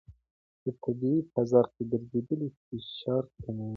په طبیعي فضا کې ګرځېدل فشار کموي.